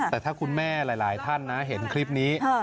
แต่ถ้าคุณแม่หลายท่านนะเห็นคลิปนี้